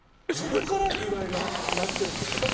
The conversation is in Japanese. そこから由来がなってるんです。